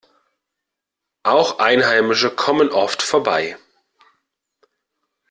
Auch Einheimische kommen oft vorbei.